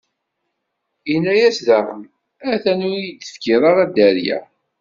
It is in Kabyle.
Inna-as daɣen: A-t-an ur yi-d-tefkiḍ ara dderya.